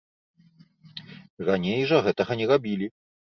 Раней жа гэтага не рабілі.